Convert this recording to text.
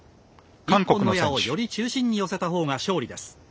１本の矢をより中心に寄せたほうが勝利です。